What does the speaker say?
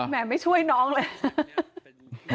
แหมไม่ช่วยน้องเลย